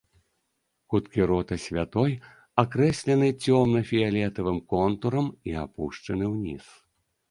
Куткі рота святой акрэслены цёмна-фіялетавым контурам і апушчаны ўніз.